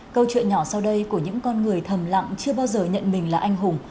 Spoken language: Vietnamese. câu chuyện nhỏ sau đây của những con người thầm lặng chưa bao giờ nhận mình là anh hùng